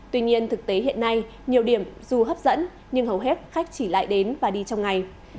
tuy nhiên thực tế hiện nay nhiều điểm dù hấp dẫn nhưng hầu hết khách chỉ lại đến và đi trong ngày